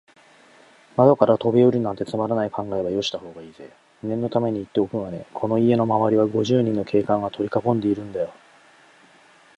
窓からとびおりるなんて、つまらない考えはよしたほうがいいぜ。念のためにいっておくがね、この家のまわりは、五十人の警官がとりかこんでいるんだよ。